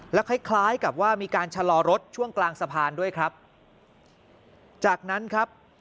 คล้ายคล้ายกับว่ามีการชะลอรถช่วงกลางสะพานด้วยครับจากนั้นครับ